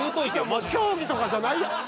マジで競技とかじゃないやん